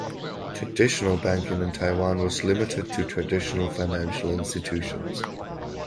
Traditional banking in Taiwan was limited to traditional financial institutions.